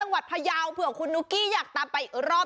จังหวัดพระยาวเผื่อคุณนุกี้อยากตามไปอีกรอบ